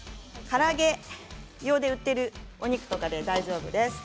から揚げ用で売っているお肉とかで大丈夫です。